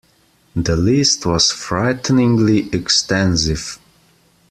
The list was frighteningly extensive.